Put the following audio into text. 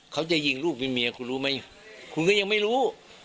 เขาจะยิงลูกเป็นเมียคุณรู้ไหมคุณก็ยังไม่รู้